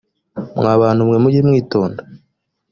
mwa bantu mwe mujye mwitonda